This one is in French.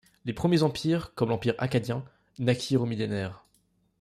Les premiers empires, comme l’Empire akkadien, naquirent au millénaire.